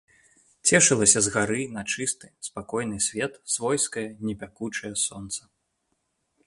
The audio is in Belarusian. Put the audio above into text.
Цешылася з гары на чысты, спакойны свет свойскае, не пякучае сонца.